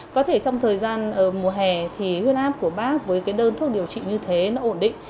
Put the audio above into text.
có thể trong thời gian mùa hè huyết áp của bác với đơn thuốc điều trị như thế ổn định